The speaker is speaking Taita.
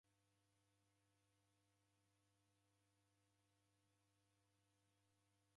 Wadadeda sa ibamba jisene machi.